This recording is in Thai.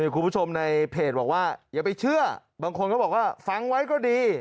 คุณผู้ชมในเพจบอกว่าอย่าไปเชื่อบางคนก็บอกว่าฟังไว้ก็ดี